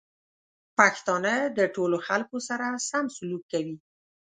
پښتانه د ټولو خلکو سره سم سلوک کوي.